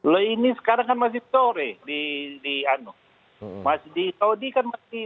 loh ini sekarang kan masih sore di di di di di saudi kan masih